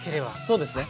そうですね。